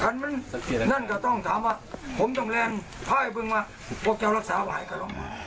คันมันนั่นก็ต้องทำว่าผมต้องแรงพาไอ้พวกมันมาพวกเขารักษาไว้ก็ลง